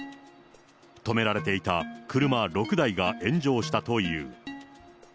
止められていた車６台が炎上したという。